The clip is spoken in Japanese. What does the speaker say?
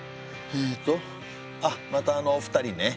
えとあっまたあのお二人ね。